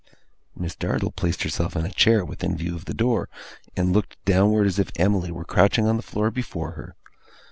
Miss Dartle placed herself in a chair, within view of the door, and looked downward, as if Emily were crouching on the floor before her.